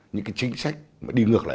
những cái chính sách mà đi ngược lại